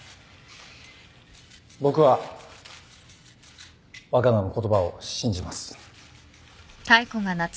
僕は若菜の言葉を信じます。